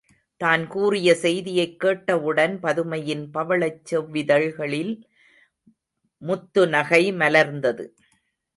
தான் கூறிய செய்தியைக் கேட்டவுடன் பதுமையின் பவழச் செவ்விதழ்களில் முத்துநகை மலர்ந்தது.